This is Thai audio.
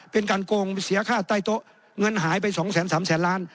เป็นการโกงเสียค่าใต้โต๊ะเงินหายไป๒๓แสนล้าน